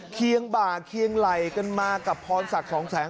เคียงบ่าเคียงไหล่กันมากับพรศักดิ์สองแสง